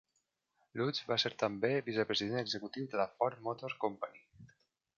Lutz va ser també vicepresident executiu de la Ford Motor Company.